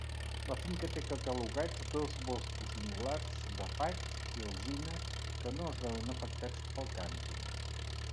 La finca té catalogats dos boscos singulars de faig i alzina que no es veuen afectats pel càmping.